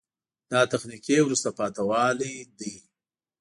دا تخنیکي وروسته پاتې والی ده.